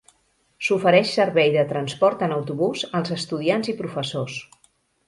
S'ofereix servei de transport en autobús als estudiants i professors.